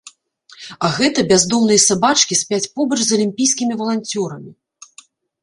А гэта бяздомныя сабачкі спяць побач з алімпійскімі валанцёрамі.